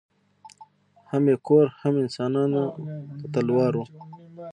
هم یې کور هم انسانانو ته تلوار وو